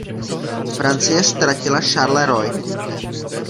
Francie ztratila Charleroi.